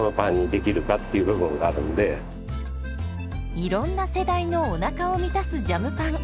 いろんな世代のおなかを満たすジャムパン。